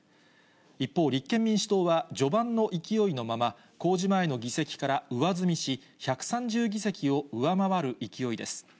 一方、立憲民主党は、序盤の勢いのまま、公示前の議席から上積みし、１３０議席を上回る勢いです。